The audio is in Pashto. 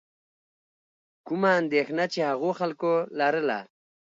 کومه اندېښنه چې هغو خلکو لرله.